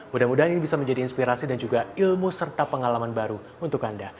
mudah mudahan ini bisa menjadi inspirasi dan juga ilmu serta pengalaman baru untuk anda